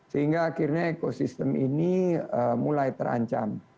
sehingga akhirnya ekosistem ini mulai terancam